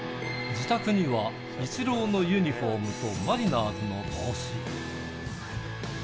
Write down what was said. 自宅にはイチローのユニホームとマリナーズの帽子。